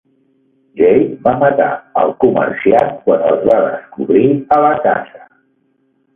Jake va matar el comerciant quan els va descobrir a la casa.